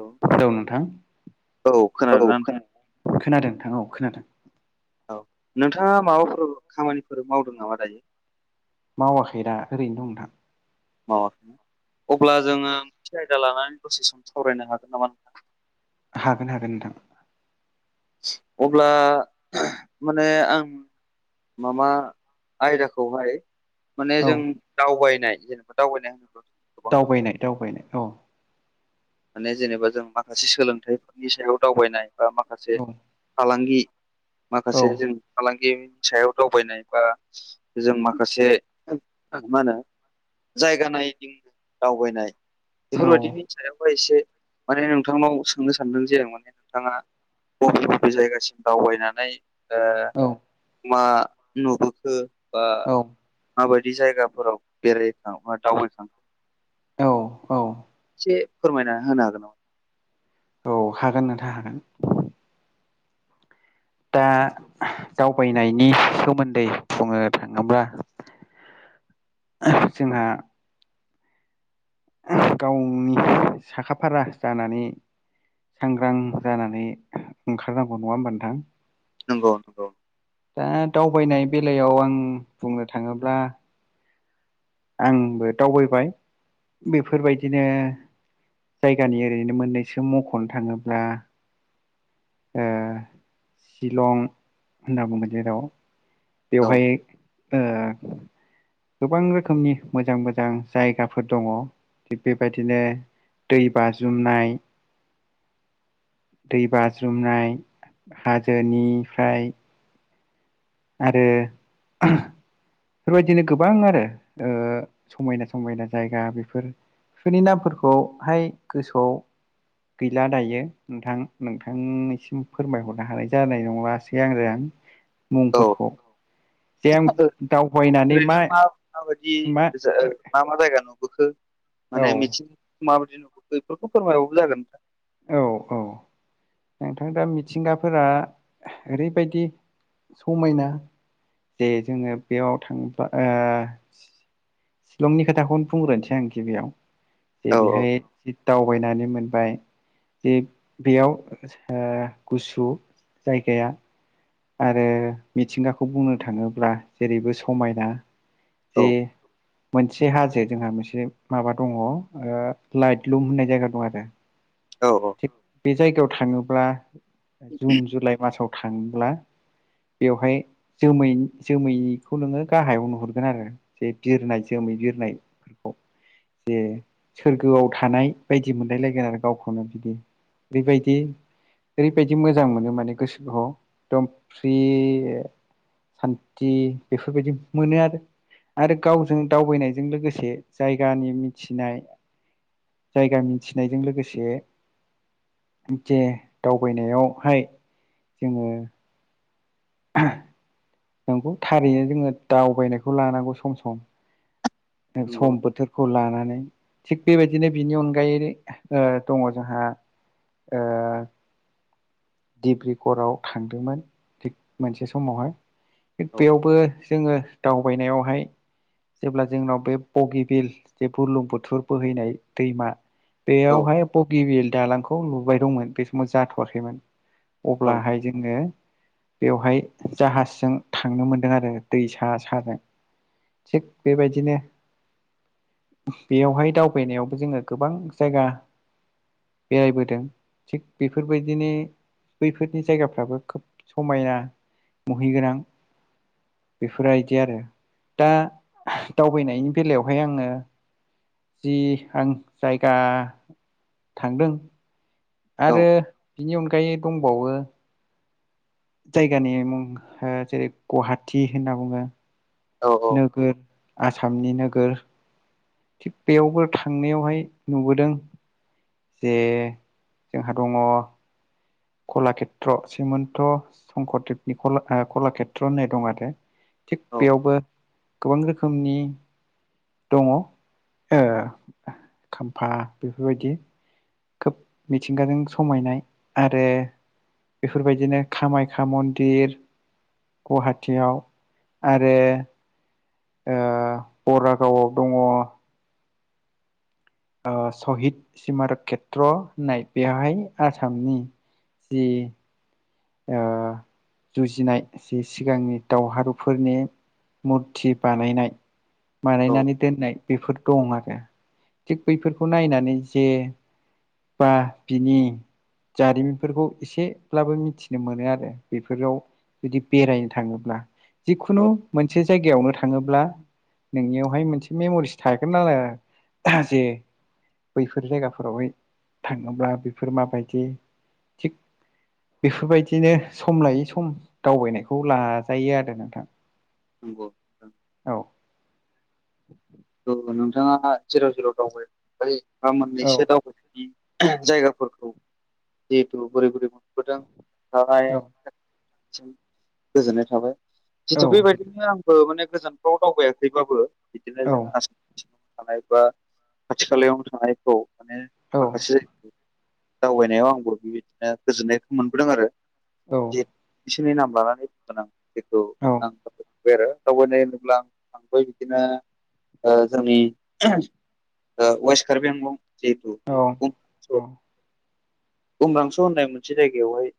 औ हेलौ नोंथां। औ खोनादोंना नोंथां खोनादों खोनादों नोंथां औ खोनादों औ नोंथाङा माबाफोर खामानिफोर मावदों नामा दायो? मावाखैदा ओरैनो दं नोंथां। मावाखै। अब्ला जोङो मोनसे आयदा लानानै दसे सम सावरायनो हागोन नामा नोंथां? हागोन हागोन नोंथां। अब्ला माने आं माबा आयदाखौहाय माने औ जों दावबायनाय जेनेबा दावबायनाय होनोब्ला दावबायनाय दावबायनाय औ माने जेनेबा जों माखासे सोलोंथाइफोरनि सायाव दावबायनाय बा माखासे औ फालांगि औ माखासे जों फालांगिनि सायाव दावबायनाय बा जों माखासे मा होनो जायगा नायदिं दावबायनाय औ बेफोरबायदिनि सायाव [unintelligible] एसे माने नोंथांनाव सोंनो सानदों जे माने नोंथाङा बबे बबे जायगासिम दावबायनानै ओ औ। मा नुबोखो बा माबायदि जायगाफोराव बेराखो बा दावबायखो? औ औ। एसे फोरमायना होनो हागोन नामा? औ हागोन नोंथां हागोन दा दावबायनायनि सोमोन्दै बुंनो थाङोब्ला जोंहा गावनि साखा फारा जानानै सांग्रां जानानै ओंखारनांगौ नङा होमबा नोंथां? नंगौ नंगौ। दा दावबायनाय बेलायाव आं बुंनो थाङोब्ला आंबो दावबायबाय बेफोरबायदिनो जायगानि ओरैनो मोननैसो मख'नो थाङोब्ला ओ सिलं होनना बुंगोन जेेराव औ बेवहाय ओ गोबां रोखोमनि मोजां मोजां जायगाफोर दङ' थिग बेबायदिनो दै बाज्रुमनाय, दै बाज्रुमनाय हाजोनिफ्राय आरो बेफोरबायदिनो गोबां आरो ओ समायना समायना जायगा बेफोर बिफोरनि नामफोरखौहाय गोसोआव गैला दायो। नोंथां नोंथांनिसिम फोरमायहरनो हानाय जानाय नंलासै आरो। औ मुंफोरखौ जेन दावबायनानै मा माबायदि मा जो मा मा जायगा नुबोखो औ माने मिथिं माबायदि नुखो बेफोरखौ फोरमाय हरबाबो जागोन। औ औ नोंथां दा मिथिंगाफोरा ओरैबायदि समायना जे जोंङो बेयाव थांबा ओ शिलंनि खोथाखौनो बुंग्रोनोसै आं गिबियाव जे औ बेहाय जि दावबायनानै मोनबाय जे बेयाव ओ गुसु जायगाया आरो मिथिंगाखौ बुंनो थाङोब्ला जेरैबो समायना औ जे मोनसे हाजो जोंहा मोनसे माबा दङ ओ लाइट लुम होननाय जायगा दं आरो। औ औ बे जायगायाव थाङोब्ला जुन जुलाइ मासाव थाङोब्ला बेवहाय जोमै जोमैखौ नोङो गाहायाव नुहुरगोन आरो जे बिरनाय जोमै बिरनाय [inaudible] जे सोरगोआव थानाय बायदि मोनलाय लायगोन आरो गावखौनो बिदि बेबायदि ओरैबायदि मोजां मोनो माने गोसोखौ एकदम फ्रि। सान्थि बेफोरबायदि मोनो आरो। आरो गावजों दावबायनायजों लोगोसे जायगानि मिथिनाय जायगा मिथिनायजों लोगोसे जे दावबायनायावहाय जोंङो [inaudible] नंगौ थारैनो जोंङो दावबायनायखौ लानांगौ सम सम नंगौ सम बोथोर खौ लानानै थिग बेबायदिनो बिनि अनगायै दङ जोंहा ओ दिब्रिगर आव थांदोंमोन थिग मोनसे समावहाय थिग औ बेयावबो जोंङो दावबायनायावहाय जेब्ला जोंनाव बे बगिबिल जे बुलुंबुथुर बोहैनाय दैमा औ बेयावहाय बगिबिल दालांखौ लुबाय दंमोन बे समाव जाथ'वाखैमोन। औ अब्लाहाय जोंङो बेवहाय जाहाजजों थांनो मोनदों आरो दै सा साजों थिग बेबायदिनो बेयावहाय दावबायनायावबो जोंङो गोबां जायगा बेरायबोदों थिग बेफोरबायदिनो बैफोरनि जायगाफ्राबो खोब समायना मुहिगोनां बेफोरबायदि आरो दा दावबायनायनि बेलायावहाय आंङो जि आं जायगा थांदों औ आरो बिनि अनगायै दंबावो जायगानि मुं जेरै गुवाहाटि होनना बुंङो। औ नोगोर आसामनि नोगोर थिग बेयावबो थांनायावहाय नुबोदों। ए जोंहा दङ। कलाक्षेत्र सोमन्त संकरदेबनि कला कलाक्षेत्र होननाय दं आरो। थिग औ बेयावबो गोबां रोखोमनि। दङ ओ खाम्फा बेफोरबायदि। खोब मिथिंगाजों समायनाय आरो बेफोरबायदिनो कामाख्या मन्दिर गुवाहाटिआव आरो। आरो बरागावआव दङ। सहिद सिमारकेत्र होननाय बेवहाय आसामनि। जि जुजिनाय जे सिगांनि दावहारुफोरनि। मुरथि बानायनाय बानायनानै दोननाय बेफोर। दं आरो थिग बैफोरखौ नायनानै जे बा बिनि जारिमिनफोरखौ एसेब्लाबो मिथि नो मोनो आरो बेफोराव जुदि बेरायनो थाङोब्ला औ जिखुनु मोनसे। जायगायावनो थाङोब्ला। नोंनियावहाय मोनसे मेम'रिस थागोन आरो जे। बैफोर जायगाफोरावहाय थाङोब्ला बेफोर माबायदि थिग बेफोरबायदिनो सम लायै सम दावबायनायखौ लाजायो आरो नोंथां नंगौ औ औ नोंथाङा जेराव जेराव दावबायहैबाय नोंथाङा औ मोननैसो दावबायनायनि जायगाफोरखौ जिहेथु बोरै बोरै मोनबोदों बेहाय औ सि गोजोननाय थाबाय औ जितु बेबायदिनो आंबो माने गोजान दावबायाखैबाबो बिदिनो औ जो आसाम थानाय बा खाथि खालायावनो थानायखौ माने औ माखासे जायगाखौ दावबायनायाव आंबो बेबायदिनो गोजोननायखौ मोनबोदों आरो। औ जिहेथु बिसोरनि नाम लानानै बुंगोन आं बेेखौ औ आं बे आरो दाववबायनाय होनोब्ला आं थांबाय बिदिनो ओ जोंनि वेस्ट कार्बि आंलं जिहेथु। औ गुमदांस' होननाय मोनसे जायगायावहाय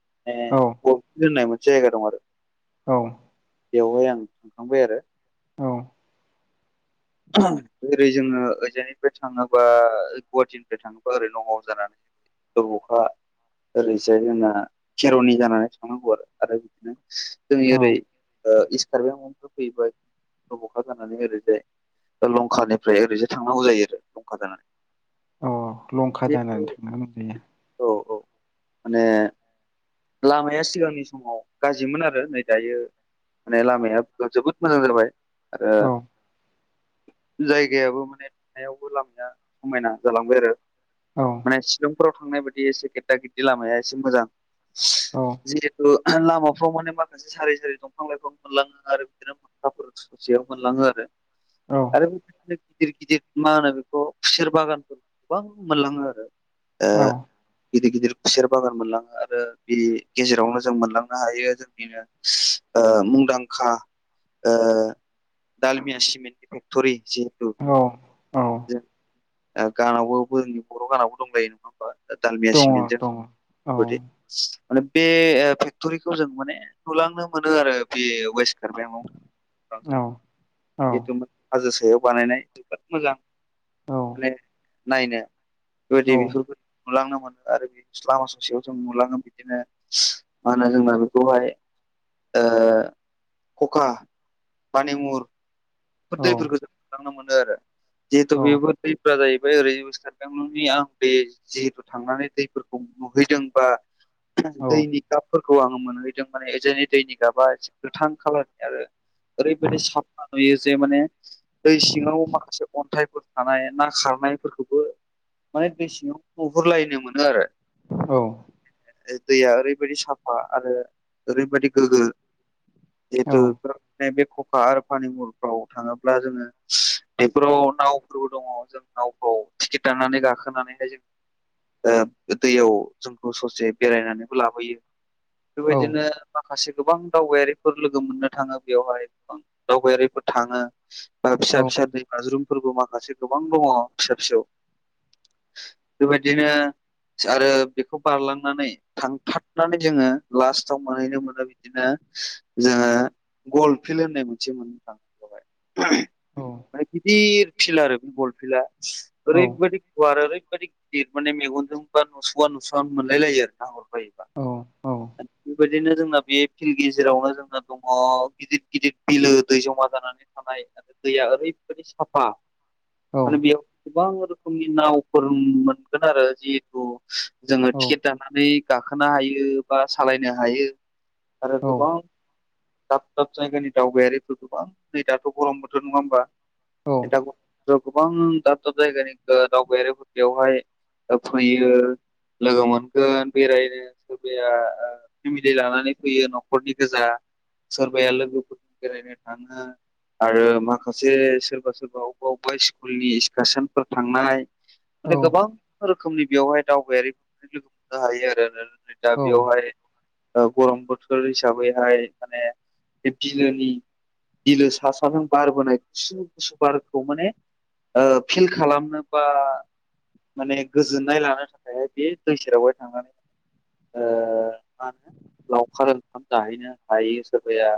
औ गफि होननाय मोनसे जायगा दं आरो। औ बेवहाय आं थांखांबाय आरो। औ ओरै जोङो ओइजायनिफ्राय थाङोबा गुवाहाटिनिफ्राय थाङोबा ओरै नगाव जानानै। अब'खा ओरैसाय जोंना खेर'निजानानै थांनांगौ आरो। जों औ ओरै ओ इस कार्बि आंलं निफ्राय फैयोबा अब'खा जानानै ओरैजाय लंकानिफ्राय ओरैसो थांनांगौ जायो आरो लंका जानानै। अ लंका जिहेथु जानानै थांनांगौ जायो। औ औ माने लामाया सिगांनि समाव गाज्रिमोन आरो नै दायो माने लामाया जोबोद मोजां जाबाय आरो जायगायाबो माने थानायावबो लामाया समायना जालांबाय आरो। औ माने शिलंफोराव थांनाय बायदि एसे गेददा गेददि लामाया एसे मोजां। औ जिहेतु लामाफ्राव माने माखासे सारि जारि दंफां लाइफां मोनलाङो आरो बिदिनो माखाफोर ससेयाव मोनलाङो आरो। औ। आरो बेबायदिनो गिदिर गिदिर मा होनो बेखौ खुसेर बागानफोर गोबां मोनलाङो आरो। ओ औ गिदिर गिदिर खुसेर बागान मोनलाङो आरो ओ बे गेजेरावनो जों मोनलांनो हायो जोंनिनो ओ मुंदांखा ओ दालमिया सिमेन्टनि फेक्ट'रि जि औ। औ जों गानावबो जोंनि बर' गानावबो दंलायो नङा होमबा? दालमिया दङ सिमेन्टजों दङ औ गदे माने बे फेक्ट'रिखौ जों माने नुलांनो मोनो आरो बे वेस्ट कार्बि आंलं आव। औ औ बेथ'माने हाजो सायाव बानायनाय जोबोद मोजां। औ माने नायनो औ [unintelligible] नुलांनो मोनो आरो बे लामा ससेयाव जों नुलांङो। बिदिनो मा होनो जोंना बेखौहाय ओ खखा पानिमुर बे दैफोरखौ जों नुलांनो मोनो आरो जिहेथु औ बेबो दै जायो। बे ओरै स्टेट कार्बि आंलं नि आं दै जिहेतु थांनानै दैफोरखौ नुहैदों बा दैनि गाबफोरखौ आङो मोनहैदों माने जेरै दैनि गाबा एसे गोथां खालारनि आरो ओरैबायदि साफा नुयो। जे माने दै सिङाव माखासे अन्थाइफोर थानाय ना खारनायफोरखौबो माने दै सिंआव नुहुरलायनो मोनो आरो। औ। दैया ओरैबायदि साफा आरो ओरैबायदि गोग्गो। जितु बे खखा आरो फानिमुल फोराव थाङोब्ला जोङो बेफोराव नावफोरबो दङ ज नावखौ टिकेट दांनानै गाखोनानैहाय जों ओ दैयाव जोंखौ ससे बेरायनानैबो लाबोयो। औ बेबायदिनो माखासे गोबां दावबायारिफोर लोगो मोननो थाङो बेवहाय गोबां दावबायारिफोर थाङो बा औ फिसा फिसा दै बाज्रुमफोरबो माखासे गोबां दङ फिसा फिसौ। बेबायदिनो आरो बेखौ बारलांनानै थांथाबनानै जोङो लास्टाव मोनहैनो मोनो। बिदिनो जों गल फिल् होननाय मोनसे मोन थां जाबाय। बेहाय गिदिर फिल्ड आरो बे बल फिल्डआ औ ओरैबायदि गुवार ओरैबादि गिदिर माने मेगनजोंबा नुसआ नुसआ मोनलाय लायो आरो नाहरबायोबा। औ बेबायदिनो जोंना बे फिल्ड गेजेरावनो जोंना दङ गिदिर गिदिर बिलो दै जमा जानानै थानाय आरो दैया ओरैबायदि साफा। औ। माने बेयाव गोबां रोखोमनि नावफोर मोनगोन आरो जिहेथु जोङो औ टिकेट दानानै गाखोनो हायो बा सालायनो हायो। आरो औ गोबां दाब दाब जायगानि दावबायारिफोर गोबां नै दाथ' गरम बोथोर नङा होमबा? औ [unintelligible] गोबां दाब दाब जायगानि ओ दावबायारिफोर बेयावहाय ओ फैयो। लोगो मोनगोन बेरायनो। सोरबाया ओ फेमिलि लानानै फैयो न'खरनि गोजा सोरबाया लोगोफोर [inaudible] बेरायनो थाङो। आरो माखासे सोरबा सोरबा अबेबा अबेबा स्कुलनि इसकासनफोर थांनाय माने गोबां रोखोमनि बेवहाय दावबायारिफोर लोगो मोननो हायो आरो [unintelligible] दा बेयावहाय ओ गरम बोथोर हिसाबैहाय माने बे बिलोनि बिलो सा साजों बारबोनाय गुसु गुसु बारखौ माने ओ फिल खालामनो बा माने गोजोननाय लानो थाखाय बे दै सेरावहाय थांनानै ओ मा होनो लावखार ओंखाम जाहैनो हायो सोरबाया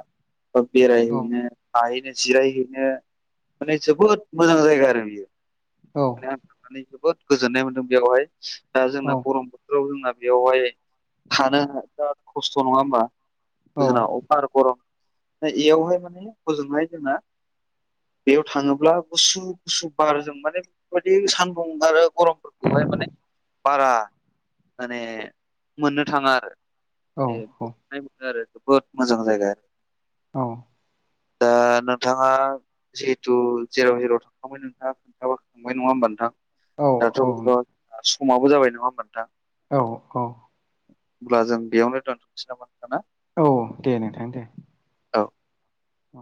बा बेरायहैनो थाहैनो जिरायहैनो माने जोबोद मोजां जायगा आरो बियो। औ। माने आं थांनानै जोबोद गोजोननाय मोन्दों बेयावहाय दा जोंना गरम बो औ जोंना बेयावहाय थानो बिराद खस्थ' नङा होमबा। जोंना अभार गरम। दा इयावहाय माने हजोंहाय जोंना बेयाव थाङोब्ला गुसु गुसु बारजों माने बेफोरबायदि सानदुं आरो गरमफोरखौहाय माने बारा माने मोननो थाङा आरो बे गोजोननाय मोनो आरो जोबोद मोजां जायगा आरो अ। दा नोंथाङा जिहेथु जेराव हेराव थांखांबाय नोंथां। नोंथाङाबो थांबाय नङा होमबा नोंथां। दाथ' औ गोबां समाबो जाबाय नङा होमबा नोंथां। औ अ। होनब्ला जों बेयावनो दोनथ'नोसै नामा होमबा ना? अह दे नोंथां दे। औ। औ